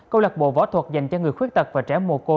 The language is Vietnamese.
câu lạc bộ võ thuật dành cho người khuyết tật và trẻ mùa cô